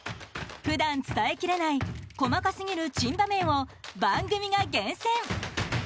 普段、伝えきれない細かすぎる珍場面を番組が厳選。